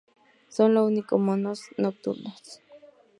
Son los únicos monos nocturnos.